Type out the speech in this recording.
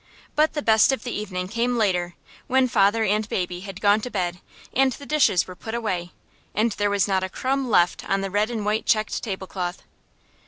But the best of the evening came later, when father and baby had gone to bed, and the dishes were put away, and there was not a crumb left on the red and white checked tablecloth.